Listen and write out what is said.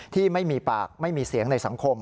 ที่ไม่มีปากไม่มีเสียงในสังคม